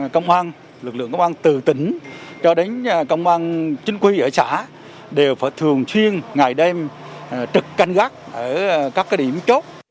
công an lực lượng công an từ tỉnh cho đến công an chính quy ở xã đều phải thường xuyên ngày đêm trực canh gác ở các điểm chốt